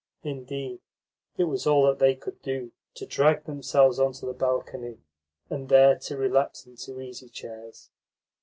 Indeed, it was all that they could do to drag themselves on to the balcony, and there to relapse into easy chairs.